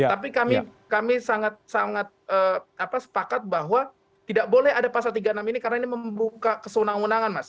tapi kami sangat sangat sepakat bahwa tidak boleh ada pasal tiga puluh enam ini karena ini membuka kesenangan mas